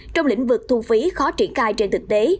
trong đó do quy định về xử phạt vi phạm hành chính